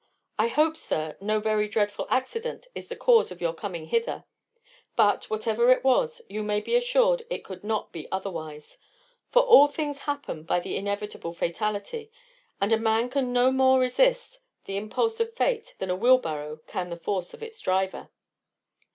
I hope, sir, no very dreadful accident is the cause of your coming hither; but, whatever it was, you may be assured it could not be otherwise; for all things happen by an inevitable fatality; and a man can no more resist the impulse of fate than a wheelbarrow can the force of its driver."